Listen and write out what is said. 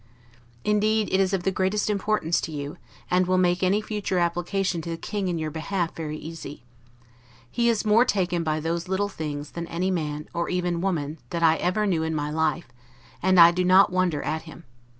Indeed it is of the greatest importance to you, and will make any future application to the King in your behalf very easy. He is more taken by those little things, than any man, or even woman, that I ever knew in my life: and I do not wonder at him.